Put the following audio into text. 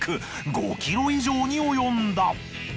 ５ｋｇ以上に及んだ。